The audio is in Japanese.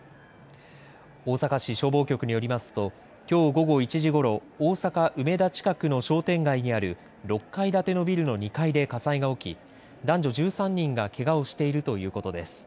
大阪市消防局によりますときょう午後１時ごろ、大阪梅田近くの商店街にある６階建てのビルの２階で火災が起き、男女１３人がけがをしているということです。